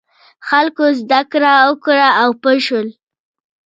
خلکو زده کړه وکړه او پوه شول.